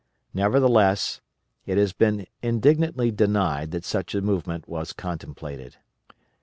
Nevertheless it has been indignantly denied that such a movement was contemplated.